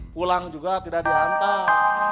pulang juga tidak diantar